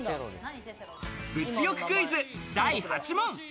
物欲クイズ第８問。